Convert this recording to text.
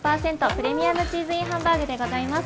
プレミアムチーズＩＮハンバーグでございます